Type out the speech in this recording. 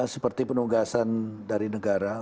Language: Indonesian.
seperti penugasan dari negara